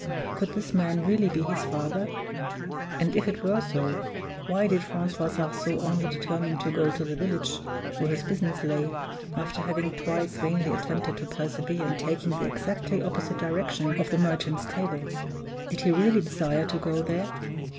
Could this man really be his father? And if it were so, why did Francois Sarzeau only determine to go to the village where his business lay, after having twice vainly attempted to persevere in taking the exactly opposite direction of the Merchant's Table? Did he really desire to go there?